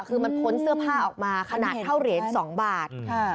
คือมันพ้นเสื้อผ้าออกมาขนาดเท่าเหรียญ๒บาท